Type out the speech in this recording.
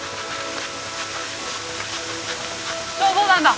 消防団だ！